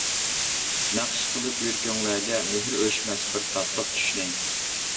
نەقىش قىلىپ يۈرەكلىرىڭگە، مېھرى ئۆچمەس بىر تاتلىق چۈشنى.